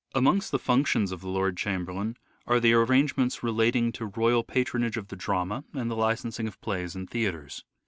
Amongst the functions of the Lord Chamberlain are the arrange ments relating to royal patronage of the drama and the licensing of plays and theatres.